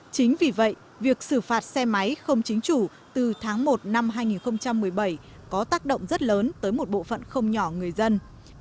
chính vì vậy việc xử phạt xe máy không chính chủ từ tháng một năm hai nghìn một mươi bảy có tác động rất lớn tới một bộ phận không nhỏ người dân